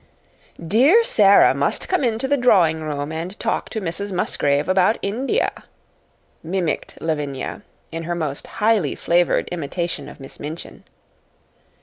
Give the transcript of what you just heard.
"'Dear Sara must come into the drawing room and talk to Mrs. Musgrave about India,'" mimicked Lavinia, in her most highly flavored imitation of Miss Minchin.